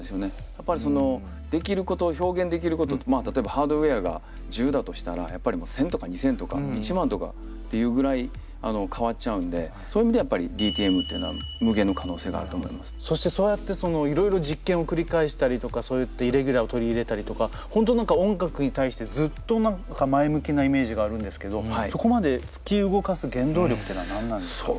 やっぱりそのできること表現できることってまあ例えばハードウェアが１０だとしたらやっぱり１，０００とか２，０００とか１万とかっていうぐらい変わっちゃうんでそういう意味ではやっぱりそしてそうやっていろいろ実験を繰り返したりとかそういったイレギュラーを取り入れたりとか本当音楽に対してずっと何か前向きなイメージがあるんですけどそこまで突き動かす原動力っていうのは何なんですか？